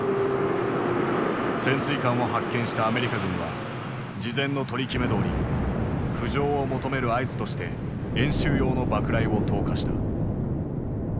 潜水艦を発見したアメリカ軍は事前の取り決めどおり浮上を求める合図として演習用の爆雷を投下した。